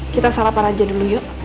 kita sarapan aja dulu yuk